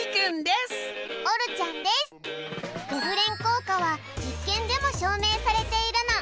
ヴェブレン効果は実験でも証明されているの！